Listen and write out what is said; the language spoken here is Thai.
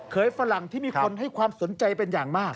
ฝรั่งที่มีคนให้ความสนใจเป็นอย่างมาก